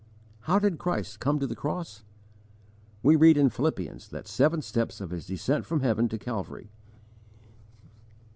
How did Christ come to the cross? We read in Philippians the seven steps of his descent from heaven to Calvary.